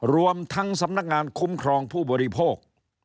รวมทั้งสำนักงานคุ้มครองผู้บริโภค